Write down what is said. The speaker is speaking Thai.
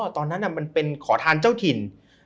ตอนนั้นมันเป็นขอทานเจ้าถิ่น